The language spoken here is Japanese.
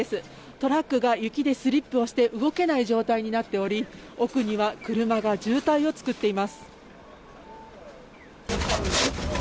トラックが雪でスリップをして、動けない状態になっており、奥には車が渋滞を作っています。